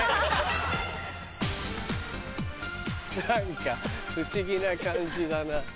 何か不思議な感じだな。